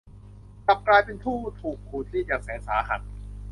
กลับกลายเป็นผู้ถูกขูดรีดอย่างแสนสาหัส